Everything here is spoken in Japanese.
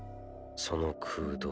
その空洞に。